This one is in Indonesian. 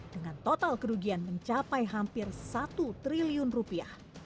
dengan total kerugian mencapai hampir satu triliun rupiah